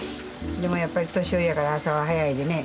でもやっぱり年寄りやから朝は早いでね。